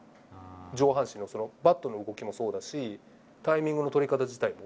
上半身の、バットの動きもそうだし、タイミングの取り方自体も。